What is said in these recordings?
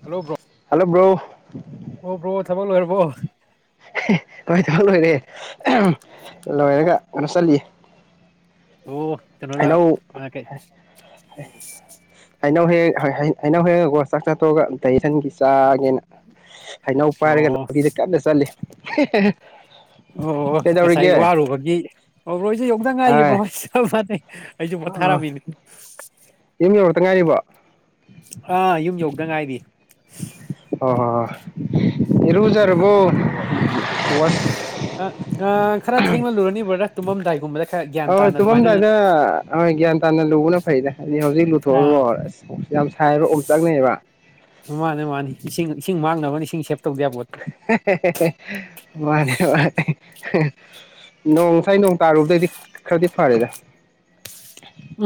hello bro hello bro [inaudible] ꯑꯣ bro ꯊꯕꯛ ꯂꯣꯏꯔꯕꯣ ꯍꯣꯏ ꯊꯕꯛ ꯂꯣꯏꯔꯦ ꯂꯣꯏꯔꯒ ꯆꯠꯂꯤꯌꯦ ꯑꯣ ꯀꯩꯅꯣꯔꯥ ꯑ ꯀꯔꯤ ꯍꯩꯅꯧ ꯍꯦꯛ ꯍꯩꯅꯧ ꯍꯦꯛꯑꯒ ꯆꯥꯛ ꯆꯥ ꯇꯣꯛꯑꯒ ꯗꯥꯏꯖꯦꯁꯟꯒꯤ ꯆꯥꯒꯦꯅ ꯍꯩꯅꯧ ꯄꯥꯏꯔꯒ ꯂꯝꯕꯤꯗ ꯀꯟꯅ ꯆꯠꯂꯤ [unintelligible] ꯑꯣ ꯑꯣ ꯉꯁꯥꯏ ꯀꯩꯗꯧꯔꯤꯒꯦ ꯋꯥꯔꯨꯕꯒꯤ ꯑꯣꯕ꯭ꯔꯣꯏꯁꯦ ꯌꯧꯗ ꯉꯥꯏꯔꯤꯕ꯭ꯔꯣ ꯍꯥꯏ ꯐ ꯑꯩꯁꯨ ꯑꯣ ꯄꯣꯊꯥꯔꯝꯃꯤꯅꯤ ꯌꯨꯝ ꯌꯧꯔꯛꯇ ꯉꯥꯏꯔꯤꯕꯣ ꯑꯥ ꯌꯨꯝ ꯌꯧꯗꯉꯥꯏꯔꯤ ꯑꯣ ꯍꯣꯏ ꯍꯣꯏ ꯏꯔꯨꯖꯔꯕ꯭ꯔꯣ ꯑ ꯑ ꯈꯔ ꯊꯦꯡꯅ ꯂꯨꯔꯅꯤ ꯕꯔꯗꯔ ꯇꯨꯝꯃꯝꯗꯥꯏꯒꯨꯝꯕꯗ ꯈꯔ ꯒ꯭ꯌꯥꯟ ꯍꯣꯏ ꯇꯥꯅ ꯑꯗꯨꯃꯥꯏꯅ ꯇꯨꯝꯃꯝꯗꯥꯏꯗ ꯍꯣꯏ ꯒ꯭ꯌꯥꯟ ꯇꯥꯅ ꯂꯨꯕꯅ ꯐꯩꯗ ꯍꯥꯏꯗꯤ ꯍꯧꯖꯤꯛ ꯂꯨꯊꯣꯛꯑꯣ ꯑꯥ ꯑꯁ ꯌꯥꯝ ꯁꯥꯏꯕ ꯑꯣꯝꯆꯥꯛꯅꯩꯕ ꯃꯥꯅꯦ ꯃꯥꯅꯦ ꯏꯁꯤꯡ ꯏꯁꯤꯡ ꯏꯁꯤꯡ ꯁꯦꯞ ꯇꯧꯗ ꯌꯥꯄꯣꯠꯇꯦ ꯃꯥꯅꯤ ꯃꯥꯅꯤ ꯅꯣꯡ ꯉꯁꯥꯏ ꯅꯣꯡ ꯇꯥꯔꯨꯕꯗꯩꯗꯤ ꯈꯔꯗꯤ ꯐꯔꯦꯗ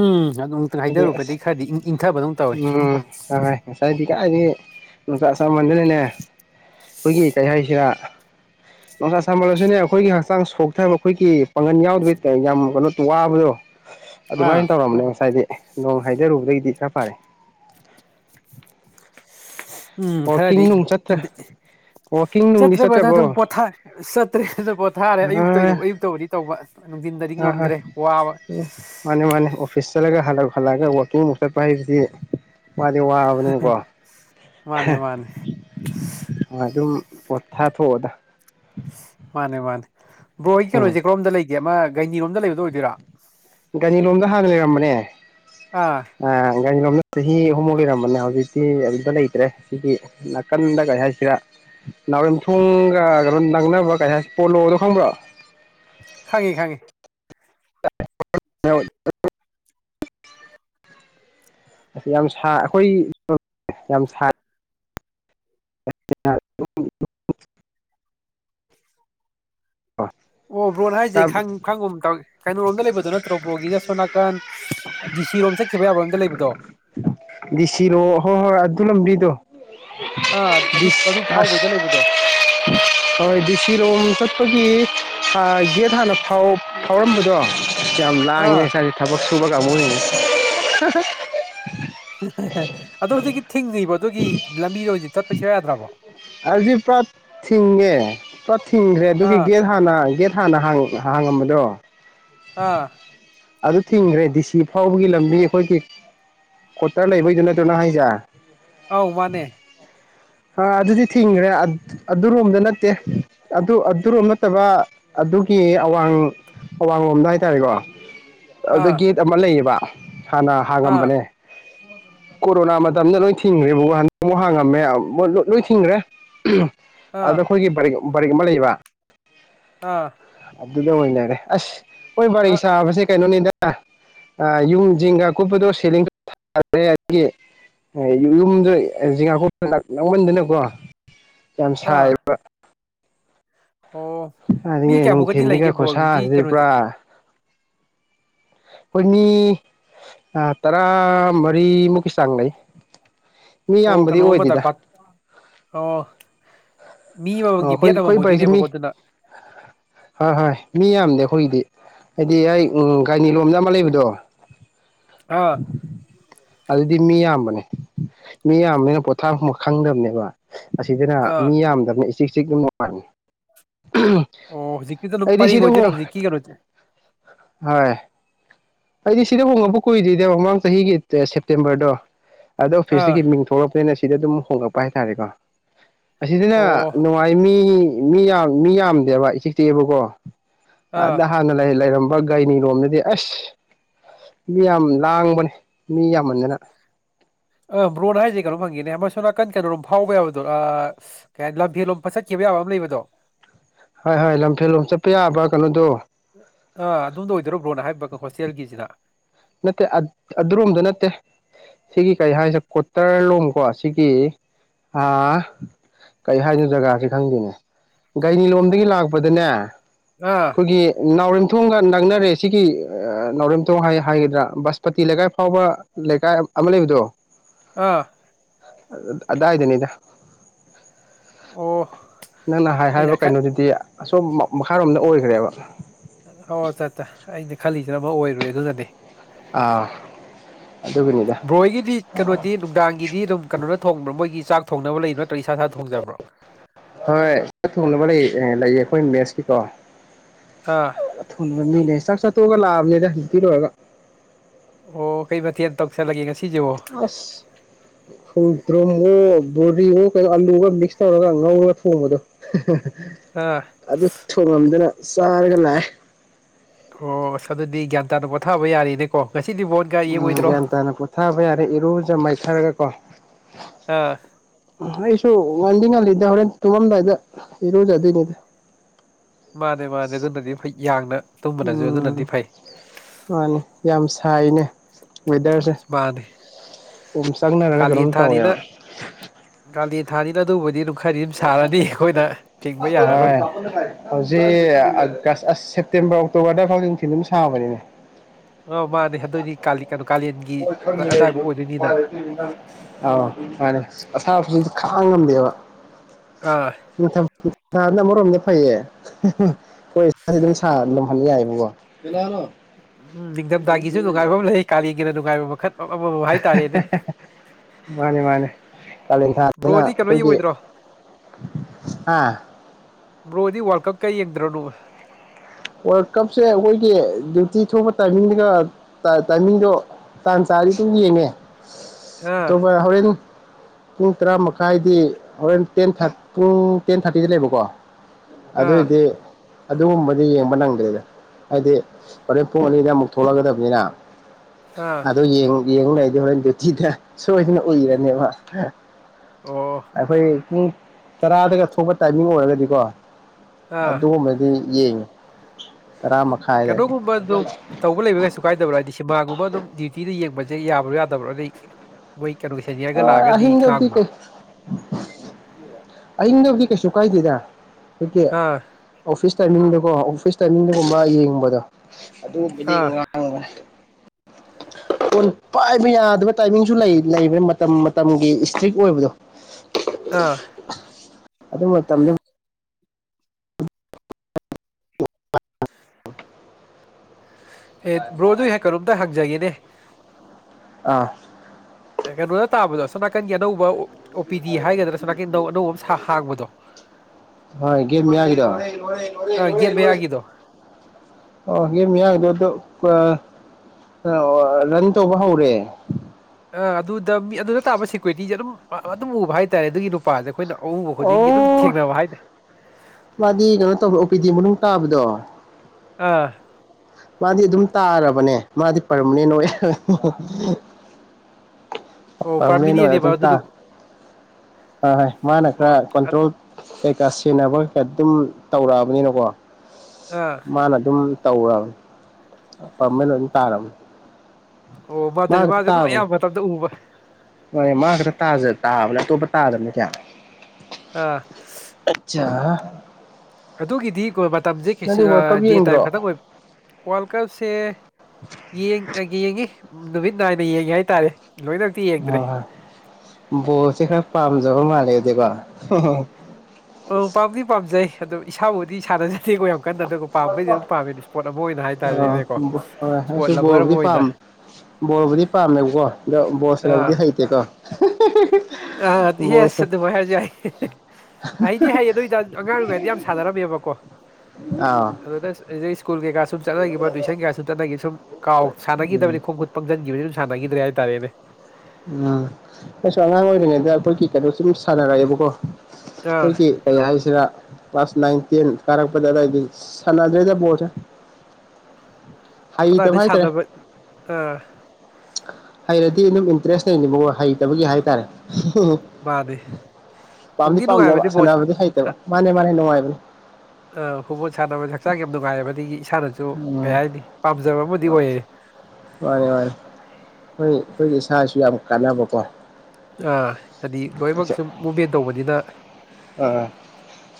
ꯎꯝ ꯑꯗꯨꯝ ꯑꯗꯨ ꯑꯁ ꯍꯩꯊꯔꯨꯕꯗꯒꯤ ꯈꯔꯗꯤ ꯏꯪꯊꯕꯗꯧ ꯇꯧꯋꯦ ꯀꯥꯏꯗꯩ ꯅꯨꯡꯁꯥ ꯁꯃꯟꯗꯅꯅꯦ ꯑꯩꯈꯣꯏꯒꯤ ꯀꯩ ꯍꯥꯏꯁꯤꯔ ꯅꯨꯡꯁꯥ ꯁꯥꯃꯟꯂꯁꯨꯅꯦ ꯑꯩꯈꯣꯏꯒꯤ ꯍꯛꯆꯥꯡ ꯆꯣꯛꯊꯕ ꯑꯩꯈꯣꯏꯒꯤ ꯄꯥꯒꯜ ꯌꯥꯎꯗꯕꯩ ꯌꯥꯝ ꯀꯩꯅꯣ ꯋꯥꯕꯗꯣ ꯑꯥ ꯑꯗꯨꯃꯥꯏꯅ ꯇꯧꯔꯝꯕꯅꯦ ꯉꯁꯥꯏꯗꯤ ꯅꯣꯡ ꯍꯥꯏꯗꯔꯨꯕꯗꯒꯤꯗꯤ ꯈꯔ ꯐꯔꯦ ꯎꯝ ꯈꯔꯗꯤ ꯋꯥꯛꯀꯤꯡ ꯅꯨꯡ ꯆꯠꯇ꯭ꯔꯦ ꯋꯥꯛꯀꯤꯡ ꯅꯨꯡꯗꯤ ꯆꯠꯇ꯭ꯔꯦ ꯕꯔꯗꯔ ꯑꯗꯨꯝ ꯆꯠꯇ꯭ꯔꯕꯣ ꯄꯣꯊꯥꯏ ꯆꯠꯇ꯭ꯔꯦ ꯑꯗꯨ ꯄꯣꯊꯥꯔꯦ ꯑꯥ ꯑꯌꯨꯛꯇꯒꯤꯗꯧꯕ ꯑꯌꯨꯛꯇꯕꯨꯗꯤ ꯇꯧꯕ ꯅꯨꯡꯊꯤꯟꯗꯗꯤ ꯍꯣꯏ ꯍꯣꯏ ꯉꯝꯗ꯭ꯔꯦ ꯋꯥꯕ ꯐꯤꯁ ꯆꯠꯂꯒꯜꯂꯛ ꯍꯜꯂꯛꯑꯒ ꯋꯥꯛꯀꯤꯡ ꯃꯨꯛ ꯆꯠꯄ ꯍꯥꯏꯕꯁꯤ ꯋꯥꯗꯤ ꯋꯥꯕꯅꯤꯅꯀꯣ ꯃꯥꯅꯤ ꯃꯥꯅꯤ ꯑꯗꯨꯝ ꯄꯣꯊꯥ ꯊꯣꯛꯑꯗ ꯃꯥꯅꯦ ꯃꯥꯅꯦ ꯕ ꯍꯣꯏ ꯀꯩꯅꯣꯦ ꯀꯣꯝꯗ ꯂꯩ ꯌꯦ ꯑꯃ ꯒꯩꯅꯤꯔꯣꯝꯗ ꯂꯩꯕꯗꯣ ꯑꯣꯏꯗꯣꯏꯔꯥ ꯒꯥꯅꯤ ꯂꯣꯝꯗ ꯍꯥꯟꯅ ꯂꯩꯔꯝꯕꯅꯦ ꯑꯥ ꯑꯒꯖꯂꯣꯝꯅ ꯆꯍꯤ ꯑꯍꯨꯝꯃꯨꯛ ꯂꯩꯔꯝꯕꯅꯦ ꯍꯧꯖꯤꯛꯇꯤ ꯑꯗꯨꯝꯇ ꯂꯩꯇ꯭ꯔꯦ ꯁꯤꯒꯤ ꯅꯥꯀꯟꯗ ꯀꯩ ꯍꯥꯏꯁꯤꯔ ꯅꯥꯎꯔꯦꯝꯊꯣꯡꯒ ꯀꯩꯅꯣ ꯅꯪꯅꯕ ꯀꯩ ꯍꯥꯏꯁꯤ ꯄꯣꯂꯣꯗꯣ ꯈꯪꯕ꯭ꯔꯣ ꯈꯪꯉꯦ ꯈꯪꯉꯦ [unintelligible] ꯑ ꯌꯥꯝ ꯑꯩꯈꯣꯏ ꯌꯥꯝ ꯁꯥ ꯑ ꯑꯣ ꯕ꯭ꯔꯣꯅ ꯍꯥꯏꯖꯦ ꯈꯪꯉ ꯀꯩꯅꯣꯔꯣꯝꯗ ꯂꯩꯕꯗꯣ ꯅꯠꯇ꯭ꯔꯣ ꯕ꯭ꯔꯣꯒꯤꯗ ꯁꯣ ꯅꯥꯀꯟ ꯗꯤ ꯁꯤꯔꯣꯝ ꯆꯠꯈꯤꯕ ꯌꯥꯕ꯭ꯔꯣꯝꯗ ꯂꯩꯕꯗꯣ ꯗꯤ ꯁꯤꯔꯣ ꯍꯣꯏ ꯍꯣꯏ ꯑꯗꯨ ꯂꯝꯗ꯭ꯔꯤꯗꯣ ꯑꯥ ꯑꯗꯨ ꯑꯗꯨ ꯁ ꯐꯥꯎꯕꯩꯗ ꯂꯩꯕꯗꯣ ꯍꯣꯏ ꯁ ꯀ ꯑꯩꯈꯣꯏꯒꯤ ꯌꯦꯠ ꯍꯥꯟꯅ ꯐꯥꯎꯔꯝꯕ ꯗꯣꯡ ꯌꯥꯝ ꯑꯥ ꯂꯥꯡꯉꯦ ꯉꯥꯁ ꯊꯕꯛ ꯁꯕ ꯀꯃꯁ ꯑꯗꯣ ꯍꯧꯖꯤꯛꯀꯤ ꯊꯤꯡꯉꯕ ꯑꯗꯨꯒꯤ ꯂꯝꯕꯤꯗꯣ ꯍꯧꯖꯤꯛ ꯆꯠꯄꯁꯨ ꯌꯥꯗ꯭ꯔꯕꯣ ꯑꯁꯤ ꯄꯨꯔꯥ ꯊꯤꯡꯉꯦ ꯄꯨꯔꯥ ꯊꯤꯡꯈ꯭ꯔꯦ ꯑꯗꯨꯒꯤ ꯑꯥ ꯒꯦꯠ ꯍꯥꯟꯅ ꯒꯦꯠ ꯍꯥꯟꯅ ꯍꯥꯡꯉꯝꯕꯗꯣ ꯑꯥ ꯑꯗꯨ ꯊꯤꯡꯈ꯭ꯔꯦ ꯗꯤ ꯁꯤ ꯐꯥꯎꯕꯒꯤ ꯂꯝꯕꯤ ꯑꯩꯈꯣꯏꯒꯤ ꯀ꯭ꯋꯥꯇꯔ ꯂꯩꯕꯩꯗꯨ ꯅꯠꯇ꯭ꯔꯅ ꯍꯥꯏꯖꯦ ꯑꯧ ꯃꯥꯅꯦ ꯑ ꯑꯗꯨꯗꯤ ꯊꯤꯡꯈ꯭ꯔꯦ ꯑꯗꯨꯔꯣꯝꯗ ꯅꯠꯇꯦ ꯑꯗꯨ ꯑꯗꯨꯔꯣꯝ ꯅꯠꯇꯕ ꯑꯗꯨꯒꯤ ꯑꯋꯥꯡꯋꯥ ꯃꯣꯝꯗ ꯍꯥꯏꯇꯥꯔꯦꯀꯣ ꯑꯗꯨꯗ ꯑꯥ ꯒꯦꯠ ꯑꯃ ꯂꯩꯌꯦꯕ ꯍꯥꯟꯅ ꯑꯥ ꯍꯥꯡꯉꯝꯕꯅꯦ ꯀꯣꯔꯣꯅꯥ ꯃꯇꯝꯗ ꯂꯣꯏ ꯊꯤꯡꯈ꯭ꯔꯦꯕ ꯍꯟꯗꯛ ꯑꯃꯨꯛ ꯍꯥꯡꯉꯝꯃꯦ ꯂꯣꯏ ꯊꯤꯡꯈ꯭ꯔꯦ ꯑꯥ ꯑꯗ ꯍꯣꯏꯒꯤ ꯄꯔꯒ ꯕꯔ ꯑꯃ ꯂꯩꯌꯦꯕ ꯑꯥ ꯑꯗꯨꯗ ꯃꯅꯅꯦꯦ ꯑꯁ ꯑꯣꯏꯣꯏ ꯋꯥꯔꯤ ꯁꯥꯐ ꯑꯁꯤ ꯀꯩꯅꯣꯅꯤ ꯏꯗ ꯌꯨꯝ ꯖꯁꯤꯡꯒꯥ ꯀꯨꯞꯄꯗꯣ ꯁꯦꯗ ꯊꯥ꯭ꯔꯦ ꯑꯗꯒꯤ ꯌꯨꯝꯗꯣ ꯖꯒꯥ ꯀꯨꯞꯄ ꯅꯥꯡꯃꯟꯗꯅꯀꯣ ꯌꯥꯝ ꯑꯥ ꯁꯥꯏꯕ ꯑꯣ ꯃꯤ ꯑꯗꯨꯗꯒꯤ ꯀꯌꯥꯃꯨꯛꯀꯗꯤ ꯅꯨꯡꯊꯤꯟꯁꯤꯒ ꯂꯩꯒꯦ ꯕ꯭ꯔꯣ ꯍꯧꯖꯤꯛꯀꯤ ꯈꯨꯠꯁꯥꯁꯤꯗꯤ ꯀꯩꯅꯣꯁꯦ ꯄꯨꯔꯥ ꯑꯩꯈꯣꯏ ꯃꯤ ꯇꯔꯥ ꯃꯔꯤꯃꯨꯛꯀꯤ ꯆꯥꯡ ꯂꯩ ꯃꯤ ꯑꯣ ꯌꯥꯝꯕꯗꯤ ꯀꯩꯅꯣ ꯑꯣꯏꯗꯦꯗ ꯑꯃꯗꯀ ꯑꯣ ꯃꯤ ꯑꯣ ꯑꯃꯃꯝꯒꯤ ꯑꯩꯈꯣꯏ ꯕꯦꯠ ꯑꯃꯃꯝ ꯑꯩꯈꯣꯏ ꯄꯔꯁꯤ ꯃꯤ ꯑꯣꯏꯗꯣꯏꯅꯦꯕꯀꯣ ꯑꯗꯨꯅ ꯍꯣꯏ ꯍꯣꯏ ꯃꯤ ꯌꯥꯝꯗꯦ ꯑꯩꯈ ꯑꯩꯈꯣꯏꯒꯤꯗꯤ ꯍꯥꯏꯗꯤ ꯑꯩ ꯒꯥꯏꯅꯤ ꯂꯣꯝꯅ ꯑꯃ ꯂꯩꯕꯗꯣ ꯑꯗꯨ ꯑꯥ ꯑꯗꯨꯗꯤ ꯃꯤ ꯌꯥꯝꯕꯅꯦ ꯃꯤ ꯌꯥꯝꯌꯥꯝꯕꯅꯤꯅ ꯄꯣꯊꯥꯐꯝꯨꯝꯕ ꯈꯪꯗꯕꯅꯦꯕ ꯑꯁꯤꯗꯅ ꯑꯥ ꯃꯤꯌꯥꯝꯗꯅ ꯁꯤꯛꯁꯤꯀꯤ ꯋꯥꯟ ꯑꯣ ꯍꯧꯖꯤꯛꯀꯤꯗꯣ ꯑꯗꯨꯝ ꯑꯩꯗꯤ ꯄꯔꯦꯡ ꯁꯤꯗ ꯑꯣꯏꯗꯣꯏꯔꯥ ꯍꯣꯡꯈꯦ ꯍꯧꯖꯤꯛꯀꯤ ꯀꯩꯅꯣꯁꯦ ꯍꯣꯏ ꯍꯥꯏꯗꯤ ꯁꯤꯗ ꯍꯣꯡꯉꯛꯄ ꯀꯨꯏꯗꯣꯏꯅꯦꯕ ꯃꯃꯥꯡ ꯆꯍꯤꯒꯤ ꯁꯦꯞꯇꯦꯝꯕꯔꯗꯣ ꯑꯗ ꯑꯥ ꯑꯣꯐꯤꯁꯇꯒꯤ ꯃꯤꯡ ꯊꯣꯛꯂꯛꯄꯅꯤꯅ ꯁꯤ ꯁꯤꯗ ꯑꯗꯨꯝ ꯍꯣꯡꯂꯛꯄ ꯍꯥꯏꯇꯥꯔꯦꯀꯣ ꯑꯁꯤꯗꯅ ꯑꯣ ꯅꯨꯡꯉꯥꯏ ꯃꯤ ꯃꯤ ꯌꯥꯝ ꯃꯤ ꯌꯥꯝꯗꯦꯕ ꯏꯊꯤꯛꯇꯤꯑꯦꯕꯀꯣ ꯑꯥ ꯑꯗ ꯍꯥꯅꯂ ꯏꯂꯔ ꯃꯥ ꯒꯥꯏꯅꯤ ꯂꯣꯝꯅꯗꯤ ꯑꯁ ꯃꯤ ꯌꯥꯝ ꯂꯥꯡꯕꯅꯦ ꯃꯤ ꯌꯥꯝꯃꯟꯗꯅ ꯑ ꯕ꯭ꯔꯣꯟ ꯍꯥꯏꯁꯦ ꯀꯩꯅꯣꯝ ꯐꯪꯈꯤꯅꯦ ꯑꯃꯁꯨꯡ ꯅꯥꯀꯟ ꯀꯩꯅꯔꯣꯝ ꯐꯥꯎꯕ ꯌꯥꯕꯗꯣ ꯀꯩ ꯍꯥꯏ ꯂꯝꯐꯦꯜꯂꯣꯝ ꯐ ꯆꯠꯈꯤꯕ ꯌꯥꯕ ꯑꯃ ꯂꯩꯕꯗꯣ ꯍꯣꯏ ꯍꯣꯏ ꯂꯝꯐꯦꯜꯂꯣꯝ ꯆꯠꯄ ꯌꯥꯕ꯭ꯔ ꯀꯩꯅꯣꯗꯣ ꯑ ꯑꯝꯗ ꯑꯣꯏꯗꯧꯔꯕ꯭ꯔꯣꯅ ꯍꯥꯏꯕ ꯍꯣꯁꯇꯦꯜꯒꯤꯁꯤꯅ ꯅꯠꯇꯦ ꯑꯗꯨꯔꯣꯝꯗ ꯅꯠꯇꯦ ꯁꯤꯒꯤ ꯀꯩ ꯍꯥꯏꯁꯦ ꯀꯣꯇꯔ ꯂꯣꯝꯀꯣ ꯁꯤꯒꯤ ꯀꯩ ꯍꯥꯏꯅꯣ ꯖꯒꯥꯁꯤ ꯈꯪꯗꯦꯅꯦ ꯒꯩꯅꯤ ꯂꯣꯝꯗꯒꯤ ꯂꯥꯛꯄꯗꯅꯦ ꯑꯥ ꯑꯩꯈꯣꯏꯒꯤ ꯅꯥꯎꯔꯦꯝ ꯊꯣꯡꯒꯥꯟ ꯅꯪꯅꯔꯦ ꯁꯤꯒꯤ ꯅꯥꯎꯔꯦꯝꯇꯣꯡ ꯍꯥꯏ ꯍꯥꯏꯒꯗ꯭ꯔꯥ ꯕꯁꯄꯇꯤ ꯂꯩꯀꯥꯏ ꯐꯥꯎꯕ ꯂꯩꯀꯥꯏ ꯑꯃ ꯂꯩꯕꯗꯣ ꯑꯥ ꯑꯗꯨꯗꯥꯏꯗꯦꯅꯦꯗ ꯑꯣ ꯅꯪꯅ ꯍꯥꯏ ꯑꯩꯅ ꯍꯥꯏꯕ ꯈꯟ ꯀꯩꯅꯣꯗꯨꯗꯤ ꯑꯁꯣꯝ ꯃꯈꯥꯔꯣꯝꯗ ꯑꯣꯏꯈ꯭ꯔꯦꯕ ꯑꯣ ꯆꯠꯠꯇ ꯑꯩꯅ ꯈꯜꯂꯤꯁꯤꯅ ꯑꯃ ꯑꯣꯏꯔꯨꯔꯦ ꯑꯗꯨꯅꯗꯤ ꯑꯥ ꯑꯗꯨꯒꯤꯅꯤꯗ ꯕ꯭ꯔꯣꯏꯒꯤꯗꯤ ꯀꯩꯅꯣꯗꯤ ꯅꯨꯡꯗꯥꯡꯒꯤꯗꯤ ꯑꯗꯨꯝ ꯀꯩꯅꯣꯅ ꯊꯣꯡꯕ꯭ꯔꯥ ꯃꯣꯏꯒꯤ ꯆꯥꯛ ꯊꯣꯡꯅꯕ ꯂꯩꯗꯅꯠꯇꯔꯤ ꯏꯁꯥ ꯁꯥꯥ ꯊꯣꯡꯖꯕ꯭ꯔꯣ ꯍꯣꯏ ꯊꯨꯡꯅꯕ ꯂꯩꯌꯦ ꯑꯩꯈꯣꯏ ꯃꯦꯠꯁꯀꯤꯀꯣ ꯑꯥ ꯊꯕ ꯃꯤꯂꯁ ꯁꯥꯛ ꯆꯥꯠꯇꯣꯛꯑꯒ ꯂꯥꯛꯑꯕꯅꯦꯗ ꯍꯧꯖꯤꯛ ꯄꯤꯔꯣꯏꯒ ꯑꯣ ꯀꯩ ꯗꯤꯤ ꯇꯁ ꯂꯒꯦꯒꯁꯤ ꯑꯁ ꯍ ꯭ꯔꯣꯒꯣ ꯕꯣꯔꯤꯉꯣ ꯀꯩꯅꯣ ꯑꯂꯨꯒ ꯃꯤꯛꯁ ꯇꯧꯔꯒ ꯉꯧꯔꯒ ꯊꯣꯡꯕꯗꯣ ꯑꯥ ꯑꯗꯨ ꯊꯣꯡꯉꯝꯗꯅ ꯁꯥꯔꯒ ꯂ ꯑꯣ ꯑꯁ ꯑꯗꯨꯗꯤ ꯒ꯭ꯌꯥꯟ ꯇꯥꯗ ꯄꯣꯊꯥꯑꯕ ꯌꯥꯔꯤꯅꯦ ꯀꯣ ꯎꯝ ꯒ꯭ꯌꯥꯟ ꯇꯥꯅ ꯄꯣꯊꯥꯕ ꯌꯥꯔꯦ ꯏꯔꯨꯖ ꯃꯥꯏꯊꯔꯒ ꯀꯣ ꯑꯥ ꯎꯝ ꯑꯩ ꯁꯨ ꯉꯗꯤ ꯉꯜꯂꯤꯗ ꯍꯣꯔꯦꯟ ꯇꯨꯝꯃꯝꯗꯥꯏꯗ ꯏꯔꯨꯖꯗꯣꯏꯅꯤꯗꯤ ꯃꯥꯅꯦ ꯃꯥꯅꯦ ꯑꯗꯨꯅꯗꯤ ꯐꯩ ꯌꯥꯡꯅ ꯇꯨꯝꯕꯅꯁꯨ ꯎꯝ ꯑꯗꯨꯅꯗꯤ ꯐꯩ ꯃꯗꯔꯁꯦ ꯃꯥꯅꯦ ꯎ ꯆꯪꯅꯔꯒ ꯀꯥꯂꯦꯟ ꯀꯩꯅꯣꯝ ꯇꯑꯣ ꯊꯥꯔꯤ ꯂ ꯑꯗꯨꯕꯨꯕ ꯍ ꯌꯥꯔꯔꯣꯏ ꯍꯧꯖꯤꯒꯁ ꯁꯦꯞꯇꯦꯝꯕꯔ ꯑꯣꯛꯇꯣꯕꯔꯗ ꯐꯥꯎꯗꯤ ꯅꯨꯡꯊꯤ ꯑꯗꯨꯝ ꯁꯥꯕꯅꯤꯅꯦ ꯑꯣ ꯃꯥꯅꯦ ꯍꯥꯏ ꯑꯗꯨꯣꯏꯗꯤ ꯀꯥ ꯀꯥꯅ ꯊ ꯂꯩ ꯑ ꯃꯥꯅꯦ ꯑꯁꯥꯁꯤꯡꯁꯨ ꯈꯥꯡꯉꯝꯗꯦꯕ ꯀ ꯅ ꯑꯃꯔꯣꯝꯅ ꯐꯩꯌꯦ ꯍꯣꯏ ꯏꯁꯥꯁ ꯑꯗꯨꯝ ꯁꯥ ꯂꯝꯍꯟ ꯌꯥꯏꯑꯕꯀꯣ ꯀꯅꯒꯂꯣ ꯎꯝꯝ ꯗꯒꯤꯁꯨ ꯅꯨ ꯀꯥꯏꯔꯕꯝ ꯂꯩ ꯀꯥ ꯒꯤꯔ ꯑꯗꯨꯗꯨꯒꯥꯏꯕ ꯃꯈꯠ ꯃꯥꯅꯤ ꯃꯥꯅꯤ ꯀꯥꯂꯦꯟ ꯊꯥꯗꯅ ꯕ꯭ꯔꯣꯗꯤ ꯀꯩꯅꯣ ꯑꯩꯈꯣꯏꯒꯤ ꯌꯦꯡꯉꯣꯏꯗ꯭ꯔꯣ ꯑ ꯭ꯔꯣꯗꯤ ꯋꯥꯔꯜ ꯀꯞꯀ ꯌꯦꯡꯗ꯭ꯔꯅꯨꯕ ꯋꯥꯔꯜ ꯀꯞꯁꯦ ꯑꯩꯈꯣꯏꯒꯤ ꯗ꯭ꯌꯨꯇꯤ ꯊꯣꯛꯄ ꯇꯥꯏꯃꯤꯡꯗꯨꯒ ꯇꯥꯏꯃꯤꯡꯗꯣ ꯇꯥꯡ ꯆꯥꯗꯤ ꯑꯗꯨꯝ ꯌꯦꯡꯉꯦ ꯇꯣ ꯑꯥ ꯍꯔꯅ ꯄꯨꯡ ꯇꯔꯥ ꯃꯈꯥꯏꯗꯤ ꯍꯣꯔꯦꯟ ꯇꯦꯟ ꯄꯨꯡ ꯇꯦꯟ ꯊꯥꯔꯇꯤꯗ ꯂꯩꯕꯀꯣ ꯑꯗ ꯑꯥ ꯏꯗꯤ ꯑꯗꯨꯨꯝꯕ ꯌꯦꯡꯕ ꯅꯪꯗ꯭ꯔꯦꯗ ꯍꯥꯏꯗꯤ ꯍꯣꯔꯦꯟ ꯄꯨꯡ ꯑꯅꯤꯗ ꯑꯃꯨꯛ ꯊꯣꯛꯂꯛꯒꯗꯕꯅꯤꯅ ꯑꯥ ꯑꯗꯨ ꯌꯦꯡ ꯌꯦꯡꯉ ꯑꯩꯗꯤ ꯍꯣꯔꯦꯟ ꯇꯤꯗ ꯁꯣꯏꯗꯅ ꯎꯏꯔꯅꯦꯕ ꯑꯣ ꯑꯩꯈꯣꯏ ꯄꯨꯡ ꯇꯔꯥꯗꯒ ꯊꯣꯛꯄ ꯇꯥꯏꯃꯤꯡ ꯑꯣꯏꯔꯒꯗꯤꯀꯣ ꯑꯥ ꯑꯗꯨꯨꯝꯕꯗꯤ ꯌꯦ ꯀꯩꯅꯣꯒꯨꯝꯕ ꯑꯗꯨꯝ ꯇꯧꯕ ꯂꯩꯕꯒꯩꯁꯨ ꯀꯥꯏꯗꯕ꯭ꯔꯥ ꯍꯥꯏꯗꯤ ꯁꯤꯃꯥꯒꯨꯝꯕ ꯑꯗꯨꯝ ꯗ꯭ꯌꯨꯇꯤꯗ ꯌꯦꯡꯕ ꯃꯣꯏꯁꯦ ꯌꯥꯕ꯭ꯔꯣ ꯌꯥꯗꯕ꯭ꯔꯣ ꯑꯗꯨ ꯃꯣꯏ ꯀꯩꯅꯣꯒꯤ ꯁꯦꯅꯤꯌꯥꯔꯒ ꯂꯥꯛꯑꯒꯗꯤ ꯑꯍꯤꯡꯗꯕꯨꯗꯤ ꯉꯥꯡꯕ꯭ꯔꯥ ꯑꯟꯕꯒꯤ ꯀꯩꯁꯨꯨ ꯀꯥꯏꯗꯗ ꯑꯥ ꯑꯣꯐꯤꯁ ꯇꯥꯏꯃꯤ ꯑꯣ ꯑꯣꯐꯤꯁ ꯇꯥꯏꯃꯤꯡꯗꯨꯒꯨꯝꯕ ꯌꯦꯡꯕꯗꯣ ꯑꯗꯨꯒꯨꯝꯕꯗꯤ ꯑꯥ ꯉꯥꯡ ꯑꯣ ꯄꯥꯏꯕ ꯌꯥꯗꯕ ꯇꯥꯏꯃꯤꯡꯁꯨ ꯂꯩ ꯂꯩꯕ꯭ꯔꯥ ꯃꯇꯝ ꯃꯇꯝꯒꯤ ꯏꯁꯇ꯭ꯔꯤꯛ ꯑꯣꯏꯕꯗꯣ ꯑꯥ ꯑꯗꯨ ꯃꯇꯝꯗꯤ ꯑꯦ ꯕ꯭ꯔꯣꯗ ꯍꯦ ꯀꯔꯨꯝꯕꯗ ꯍꯛꯖꯏꯌꯦꯅꯦ ꯑꯥ ꯀꯩꯅꯣꯗ ꯇꯥꯕꯗꯣ ꯁꯣꯅꯥꯀꯟꯒꯤ ꯑꯅꯧꯕ ꯑꯣ ꯄꯤ ꯗꯤ ꯍꯥꯏꯒꯗ꯭ꯔꯥ ꯁꯣꯅꯥꯀꯟ ꯑꯅꯧ ꯑꯅꯧꯕ ꯑꯃ ꯁꯥ ꯍꯣꯏ ꯦꯝꯌꯥꯒꯤꯗ ꯑ ꯒꯦꯠ ꯃꯌꯥꯒꯤꯗꯣ ꯑꯣꯝ ꯃꯌꯥꯒꯤꯗ ꯑ ꯔꯟ ꯇꯧꯕ ꯍꯧꯔꯦ ꯑ ꯑꯗꯨꯗ ꯃꯤ ꯑꯗꯨꯗ ꯇꯥꯕ ꯁꯦꯀ꯭ꯌꯨꯔꯤꯇꯤꯁꯦ ꯑꯗꯨꯝ ꯑꯗꯨꯝ ꯎꯕ ꯍꯥꯏꯇꯥꯔꯦ ꯑꯗꯨꯒꯤ ꯅꯨꯄꯥꯁꯦ ꯑꯩꯈꯣꯏꯅ ꯑꯎꯕ ꯈꯨꯗꯤꯡꯒꯤ ꯑꯗꯨꯝ ꯑꯣ ꯊꯦꯡꯅꯕ ꯍꯥꯏꯇꯥꯔꯦ ꯃꯥꯗꯤ ꯀꯩꯅꯣ ꯇꯧꯈ꯭ꯔꯣ ꯑꯣꯄꯤꯗꯤꯤ ꯃꯅꯨꯡ ꯇꯥꯕꯗꯣ ꯑꯥ ꯃꯥꯗꯤ ꯑꯗꯨꯝ ꯇꯥꯔꯕꯅꯦ ꯃꯥꯗꯤ ꯄꯔꯃꯅꯦꯟ ꯑꯣꯏ ꯑꯣ ꯄꯦꯟ ꯑꯣꯏꯔ ꯄꯥꯔꯃꯤꯅꯦꯟꯅꯦꯕ ꯑꯗꯨꯝ ꯇꯥ ꯑꯗꯨꯗꯣ ꯍꯣꯏ ꯍꯣꯏ ꯃꯥꯅ ꯑꯣ ꯈꯔ ꯀꯟꯇ꯭ꯔꯣꯜ ꯀꯩꯀꯥ ꯁꯤꯦꯟꯅꯕ ꯑꯗꯨꯝ ꯇꯧꯔꯛꯑꯕꯅꯤꯅꯀꯣ ꯑꯥ ꯃꯥꯅ ꯑꯗꯨꯝ ꯇꯧꯔꯝꯃꯦꯩꯅ ꯑꯣꯏꯅ ꯇꯥꯔꯝ ꯑꯣ ꯃꯥꯗꯨꯗꯤ ꯃꯥꯁꯦ ꯅꯨ ꯑꯌꯥꯝꯕ ꯃꯇꯝꯗ ꯎꯕ ꯍ ꯃꯥ ꯈꯛꯇ ꯇꯖ ꯇꯥꯕꯅꯦ ꯑꯇꯣꯞꯄ ꯇꯥꯗꯕꯅ ꯀꯌꯥ ꯑꯥ ꯑꯗꯨꯗꯒꯤꯗꯤ ꯇꯝꯖꯈꯤꯁꯨ ꯅꯪꯗꯤ ꯋꯥꯔꯜ ꯀꯞ ꯗꯦ ꯇꯥꯏꯝ ꯌꯦꯡꯗ꯭ꯔꯣ ꯈꯇꯪ ꯑꯣꯏꯕ ꯋꯥꯔꯜ ꯀꯞꯁꯦ ꯌꯦꯡꯉꯤ ꯅꯨꯃꯤꯠ ꯅꯥꯏꯅ ꯌꯦꯡꯉꯦ ꯍꯥꯏꯇꯥꯔꯦ ꯂꯣꯏꯅꯃꯛꯇꯤ ꯌꯦꯡꯗ꯭ꯔꯦ ꯑꯣ ꯍꯣꯏ ꯕꯣꯠꯁꯦ ꯈꯔ ꯄꯥꯝꯖꯕ ꯃꯥꯜꯂꯦ ꯑꯗꯨꯗꯤꯀꯣ ꯍ ꯍ ꯑꯣ ꯄꯥꯕꯗꯤ ꯄꯥꯞꯖ ꯑꯗꯣ ꯏꯁꯥꯕꯨꯗꯤ ꯁꯥꯟꯅꯖꯩ ꯆꯦꯡꯒ ꯌꯥꯝ ꯀꯟꯅ ꯑꯗꯨꯒ ꯄꯥꯝꯕꯩꯗꯤ ꯑꯗꯨꯝ ꯄꯥꯝꯃꯦ ꯏꯁꯄꯣꯠ ꯑꯃ ꯑꯣꯏꯅ ꯑꯣ ꯍꯥꯏꯇꯥꯔꯦꯅꯦꯀꯣ ꯍꯣꯏ ꯏꯁꯄꯣꯠ ꯑꯩꯁꯨ ꯂꯚꯔ ꯑꯃ ꯕꯣꯜꯕꯨꯗꯤ ꯑꯣꯏꯅ ꯄꯥꯝ ꯣꯁ ꯂꯕꯗꯤ ꯍꯥꯏꯩꯇꯦꯀ ꯑ ꯏꯁꯦ ꯑꯗꯨꯃꯥꯏꯔ ꯌꯥꯏ ꯑꯩꯗꯤ ꯍꯩꯌꯦ ꯑꯗꯨ ꯑꯣꯏꯇꯥ ꯑꯉꯥꯡ ꯑꯣꯏꯔꯤꯉꯩꯗ ꯌꯥꯝ ꯁꯥꯟꯅꯔꯝꯃꯦꯕꯀꯣ ꯑꯥ ꯑꯗꯨꯗ ꯁ꯭ꯀꯨꯜ ꯀꯩꯀꯥ ꯁꯨꯝ ꯆꯠꯅꯈꯤꯕ ꯇꯨꯏꯁꯟ ꯀꯌꯥ ꯁꯨꯝ ꯆꯠꯅꯈꯤꯕ ꯁꯨꯝ ꯀꯥꯎ ꯎꯝ ꯁꯥꯟꯅꯈꯤꯗꯕ ꯈꯣꯡ ꯈꯨꯠ ꯄꯪꯁꯤꯟꯈꯤꯕ ꯑꯗꯨꯝ ꯁꯥꯟꯅꯈꯤꯗ꯭ꯔꯦ ꯍꯥꯏꯇꯥꯔꯦꯅꯦ ꯎꯝ ꯑꯁꯉꯥꯡ ꯑꯣꯏ ꯑꯣꯏꯅꯗ ꯑꯩꯈꯣꯏ ꯀ ꯁꯤꯨꯝ ꯁꯅꯥꯒꯌꯦꯕꯀꯣ ꯑꯥ ꯑꯩꯈꯣꯏꯒꯤ ꯀꯩ ꯍꯥꯏꯁꯤꯅ ꯀ꯭ꯂꯥꯁ ꯅꯥꯏꯟ ꯇꯦꯟ ꯀꯥꯔꯛꯄꯗ ꯑꯗꯥꯏꯗꯤ ꯁꯥꯟꯅꯗ꯭ꯔꯦꯗ ꯕꯣꯜꯁꯦ ꯍꯩꯇꯕ ꯑꯗꯥꯏꯗꯩ ꯍꯥꯏꯇꯥꯔꯦ ꯁꯥꯟꯅꯕ ꯑꯥ ꯍꯩꯔꯗꯤ ꯑꯗꯨꯝ ꯏꯁ꯭ꯔꯦꯁ ꯂꯩꯅꯤ ꯃ ꯍꯩꯇꯕꯒꯤ ꯍꯥꯏꯇꯥꯔꯦ ꯃꯥꯅꯦ ꯄꯥꯝꯗꯤ ꯇꯅꯨꯡꯗꯤ ꯅꯨꯡꯉꯥꯏꯕꯗꯤ ꯄꯥꯝꯖꯕ ꯕꯣꯜ ꯁꯥꯟꯅꯕꯗꯤ ꯍꯩꯇꯕ ꯃꯥꯅꯦ ꯃꯥꯅꯦ ꯅꯨꯡꯉꯥꯏꯕꯅꯦ ꯐꯨꯠꯕꯣꯜ ꯁꯥꯟꯅꯕ ꯍꯛꯆꯥꯡ ꯌꯥꯝ ꯅꯨꯡꯉꯥꯏꯌꯦꯦꯕꯒꯤ ꯏꯁꯥꯅꯁꯨ ꯀꯩ ꯎꯝ ꯍꯥꯏꯅꯤ ꯄꯥꯝꯖꯕ ꯑꯃꯗꯤ ꯑꯣꯏꯌꯦ ꯍꯣꯏ ꯑꯩꯈꯣꯏꯒꯤ ꯏꯁꯥꯁꯨ ꯌꯥꯝ ꯀꯥꯟꯅꯕꯀꯣ ꯑꯥ ꯍꯥꯏꯗꯤ ꯂꯣꯏꯅꯃꯛ ꯁꯨꯝ ꯃꯨꯃꯦꯟ ꯇꯧꯕꯅꯤꯅ ꯑꯥ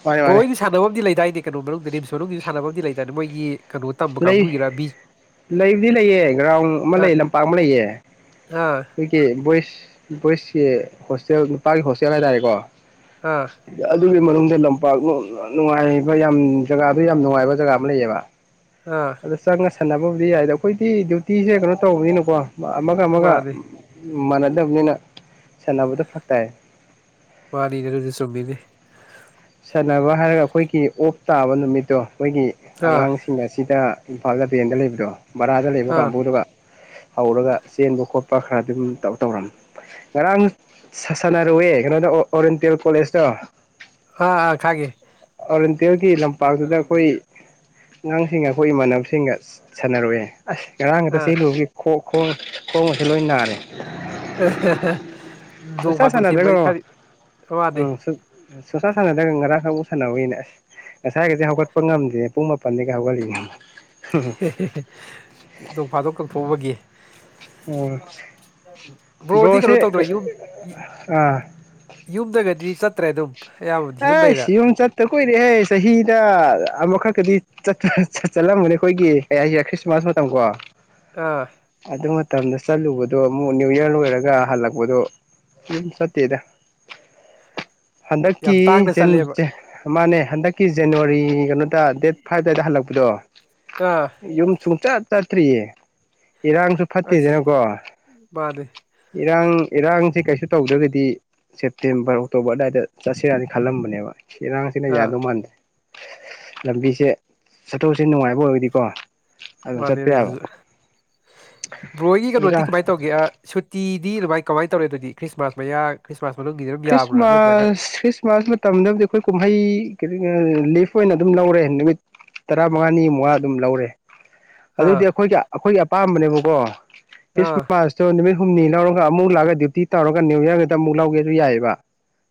ꯃꯥꯅꯦ ꯃꯥꯅꯦ ꯕ꯭ꯔꯣꯗꯤ ꯁꯥꯟꯅꯕ ꯑꯃꯗꯤꯗꯤ ꯂꯩꯗꯥꯏꯗꯤ ꯀꯕꯨꯒꯔꯤꯞ [unintelligible] ꯁꯅꯕꯗꯤ ꯂꯩꯥꯗꯅ ꯑꯗ ꯃꯣꯏꯒꯤ ꯀꯩꯅꯣ ꯇꯝꯕ ꯂꯩ ꯀꯥꯡꯕꯨꯒꯤꯔ ꯕꯤ ꯂꯩꯕꯨꯗꯤ ꯂꯩꯑ ꯒ꯭ꯔꯥꯎꯟ ꯑꯃ ꯑꯥ ꯂꯩ ꯂꯝꯄꯥꯛ ꯑꯃ ꯂꯩꯑ ꯑꯥ ꯑꯩꯈꯣꯏꯒꯤ ꯚꯣꯏꯁ ꯚꯣꯏꯁ ꯀ ꯍꯣꯁꯇꯦꯜ ꯅꯨꯄꯥꯒꯤ ꯍꯣꯁꯇꯦꯜ ꯍꯥꯏꯇꯥꯔꯦꯀꯣ ꯑꯥ ꯑꯗꯨꯒꯤ ꯃꯅꯨꯡꯗ ꯂꯝꯄꯥꯛ ꯅꯨꯡꯉꯥꯏꯕ ꯌꯥꯝ ꯖꯒꯥꯗꯨ ꯌꯥꯝ ꯅꯨꯡꯉꯥꯏꯕ ꯖꯒꯥ ꯑꯃ ꯂꯩꯌꯦꯕ ꯑꯥ ꯑꯗ ꯆꯪꯉ ꯁꯥꯟꯅꯕꯕꯨꯗꯤ ꯌꯥꯏꯗ ꯑꯩꯈꯣꯏꯗꯤ ꯗ꯭ꯌꯨꯇꯤꯁꯦ ꯀꯩꯅꯣ ꯇꯧꯕꯅꯤꯅꯀꯣ ꯑꯃꯒ ꯑꯃꯒ ꯃꯥꯅꯤ ꯃꯥꯟꯅꯗꯕꯅꯤꯅ ꯁꯥꯟꯅꯕꯗ ꯐꯔꯛ ꯇꯥꯏ ꯄꯔꯤꯅꯦꯔ ꯍꯧꯖꯤꯗꯤ ꯆꯣꯕꯤꯗꯤ ꯆꯅꯕ ꯍꯥꯏꯔꯒ ꯑꯩꯈꯣꯏꯒꯤ ꯑꯣꯞ ꯇꯥꯕ ꯅꯨꯃꯤꯠꯇꯣ ꯑꯩꯈꯣꯏꯒꯤ ꯑꯥ ꯑꯉꯥꯡꯁꯤꯡ ꯑꯁꯤꯗ ꯏꯝꯐꯥꯜ ꯇꯦꯟꯗ ꯂꯩꯕ꯭ꯔꯣ ꯕꯔꯥꯗ ꯂꯩꯕ ꯑꯥ ꯀꯥꯡꯕꯨꯗꯨꯒ ꯍꯧꯔꯒ ꯆꯦꯟꯕ ꯈꯣꯠꯄ ꯈꯔ ꯑꯗꯨꯝ ꯇꯧꯔꯝꯃꯤ ꯉꯔꯥꯡ ꯁꯥꯟꯅꯔꯨꯋꯦ ꯀꯩꯅꯣꯗ ꯑꯣꯔꯤꯌꯦꯟꯇꯦꯜ ꯀꯣꯂꯦꯖꯇꯣ ꯑꯥ ꯑ ꯈꯥꯒꯦ ꯀꯟꯗꯦꯜꯒꯤ ꯂꯝꯄꯥꯛꯇꯨꯗ ꯑꯩꯈꯣꯏ ꯑꯉꯥꯡꯁꯤꯡꯒ ꯑꯩꯈꯣꯏ ꯏꯃꯥꯟꯅꯕꯁꯤꯡꯒ ꯁꯥꯟꯅꯔꯛꯑꯦ ꯑꯁ ꯑꯥ ꯉꯔꯥꯡꯒꯗ ꯆꯦꯜꯂꯨꯨꯔꯒꯦ ꯈꯣꯛ ꯈꯣꯡ ꯈꯣꯡꯁꯦ ꯂꯣꯏ ꯅꯥꯔꯦ ꯅꯣꯡ ꯁꯨꯡꯁꯥ ꯐꯥꯗꯣꯛꯁꯦ ꯃꯔꯤ ꯁꯥꯟꯅꯗ꯭ꯔꯒ ꯈꯗꯤ ꯋꯥꯅꯤ ꯑꯁ ꯁꯣꯁꯥ ꯁꯥꯟꯅꯗꯒ ꯉꯔꯥꯡꯈꯔꯨ ꯁꯥꯟꯅꯕꯧꯏꯅꯦ ꯑꯁ ꯉꯁꯥꯏꯒꯁꯦ ꯍꯧꯒꯠꯄ ꯉꯝꯗꯦ ꯄꯨꯡ ꯃꯥꯄꯟꯗꯒꯤꯒ ꯍꯧꯒꯠꯂꯤꯅꯤ ꯅꯣꯛꯐꯥꯗꯣꯛ ꯀꯛꯊꯣꯛꯎꯕꯒꯤ ꯎꯝ ꯕ꯭ꯔꯣꯗꯤ ꯀꯩꯅꯣ ꯕ꯭ꯔꯣꯁꯦ ꯇꯧꯗ꯭ꯔꯦ ꯌꯨꯝ ꯑꯥ ꯌꯨꯝꯗꯒꯗꯤ ꯆꯠ ꯑ ꯑꯗꯨꯝ ꯑꯌꯥꯝꯕꯗꯤ ꯑꯗꯨꯝ ꯑꯩ ꯂꯩꯔꯦ ꯁꯤ ꯌꯨꯝ ꯆꯠꯇ ꯀꯨꯏꯔꯦꯍꯦ ꯆꯍꯤꯗ ꯑꯃꯈꯛꯀꯗꯤ ꯆꯠꯂꯝꯒꯅꯤ ꯑꯩꯈꯣꯏꯒꯤ ꯀ ꯈ꯭ꯔꯤꯁꯃꯥꯁ ꯃꯇꯝ ꯀꯣ ꯑꯥ ꯑꯗꯨ ꯃꯇꯝꯗ ꯆꯠꯂꯨꯕꯗ ꯅ꯭ꯌꯨ ꯏꯌꯥꯔ ꯂ ꯏꯔꯒ ꯍꯜꯂꯛꯄꯗꯣ ꯑꯗꯨꯝ ꯆꯠꯇꯦꯗ ꯌꯥꯝ ꯍꯟꯗꯛꯀꯤ ꯇꯥꯡꯅ ꯆꯠꯂꯦꯕ ꯃꯥꯅꯦ ꯍꯟꯗꯛꯀꯤ ꯖꯅꯋꯥꯔꯤ ꯀꯩꯅꯣꯗ ꯗꯦꯠ ꯐꯥꯏꯚ ꯑꯗ ꯍꯜꯂ ꯄꯗꯣ ꯑꯥ ꯌꯨꯝ ꯆꯨꯡꯆꯠ ꯇꯠꯇ꯭ꯔꯤꯌꯦ ꯏꯔꯥꯡꯁꯨ ꯑꯁ ꯐꯠꯇꯦꯗꯅꯀꯣ ꯃꯥꯅꯦ ꯏꯔꯥꯡ ꯏꯔꯥꯡꯁꯦ ꯀꯩꯁꯨ ꯇꯧꯗ꯭ꯔꯒꯗꯤ ꯁꯦꯞꯇꯦꯝꯕꯔ ꯑꯣꯛꯇꯣꯕꯔ ꯑꯗꯨꯋꯥꯏꯗ ꯆꯠꯁꯤꯔꯅꯤ ꯈꯜꯂꯝꯕꯅꯦꯕ ꯁꯤꯔꯥꯡꯁꯤꯅ ꯑꯥ ꯌꯥꯥꯗ ꯃꯥꯟꯗ꯭ꯔꯦ ꯂꯝꯕꯤꯁꯦ ꯆꯠꯊꯣꯛꯁꯤꯦ ꯅꯨꯡꯉꯥꯏꯕ ꯑꯣꯏꯔꯗꯤꯀꯣ ꯋꯥꯅꯦ ꯑꯗꯨ ꯕ꯭ꯔꯣꯏꯒꯤ ꯀꯩꯅꯣꯗꯤ ꯏꯔꯥꯡ ꯀꯃꯥꯏꯅ ꯇꯧꯒꯦ ꯁꯨꯇꯤ ꯑꯗꯨꯗꯤ ꯑꯗꯨꯃꯥꯏ ꯀꯃꯥꯏꯅ ꯇꯧꯔꯦ ꯑꯗꯨꯗꯤ꯭ꯔꯤꯃꯥꯁ ꯃꯌꯥ ꯈ꯭ꯔꯤꯁꯃꯥꯁ ꯃꯅꯨꯡꯒꯤꯗꯤ ꯑꯗꯨꯝ ꯌꯥꯕ꯭ꯔꯥ ꯅꯠꯇ꯭ꯔꯒ ꯈ꯭ꯔꯤꯁꯃꯥꯁ ꯈ꯭ꯔꯤꯁꯃꯥꯁ ꯃꯇꯝꯗꯕꯨꯗꯤ ꯑꯩꯈꯣꯏ ꯀꯨꯝꯍꯩ ꯀ ꯂꯤꯐ ꯑꯣꯏꯅ ꯑꯗꯨꯝ ꯂꯧꯔꯦ ꯅꯨꯃꯤꯠ ꯇꯔꯥꯃꯉꯥꯅꯤꯃꯨꯉ ꯑꯗꯨꯝ ꯂꯧꯔꯦ ꯑꯗꯨꯗꯤ ꯑꯥ ꯑꯩꯈꯣꯏꯒꯤ ꯑꯩꯈꯣꯏꯒꯤ ꯑꯄꯥꯝꯕꯅꯦꯕ [unintelligible] ꯈ꯭ꯔꯤꯁ ꯑꯥ ꯃꯥꯁ ꯇꯣ ꯅꯨꯃꯤꯠ ꯍꯨꯝꯅꯤ ꯂꯧꯔꯒ ꯑꯃꯛ ꯂꯥꯛꯑꯒ ꯗ꯭ꯌꯨꯇꯤ ꯇꯧꯔꯒ ꯅ꯭ꯌꯨ ꯌ꯭ꯔꯗ ꯑꯃꯨꯛ ꯂꯧꯒꯦ ꯑꯗꯨ ꯌꯥꯏꯕ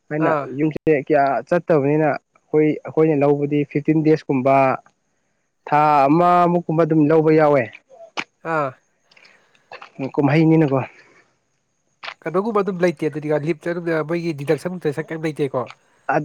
ꯍꯥꯏꯅ ꯑꯥ ꯌꯨꯝꯁ ꯀꯌꯥ ꯆꯠꯇꯕꯅꯤꯅ ꯑꯩꯈꯣꯏ ꯑꯩꯈꯣꯏꯅ ꯂꯧꯕꯗꯤ ꯐꯤꯐꯇꯤꯟ ꯗꯦꯖ ꯀꯨꯝꯕ ꯊꯥ ꯑꯃꯃꯨꯛꯀꯨꯝꯕ ꯑꯗꯨꯝ ꯂꯧꯕ ꯌꯥꯎꯋꯦ ꯑꯥ ꯀ ꯃꯍꯩ ꯅꯩꯅꯅꯀꯣ ꯀꯩꯅꯣꯒꯨꯝꯕ ꯑꯗꯨꯝ ꯂꯩꯇꯦ ꯑꯗꯨꯗꯤ ꯂꯤꯞꯇ ꯃꯣꯏꯒꯤ ꯗꯤꯗꯛꯁꯟ ꯁ ꯂꯩꯇꯦꯀꯣ ꯑ